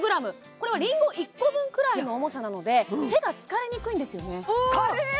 これはりんご１個分くらいの重さなので手が疲れにくいんですよね